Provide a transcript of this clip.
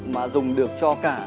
mà dùng được cho cả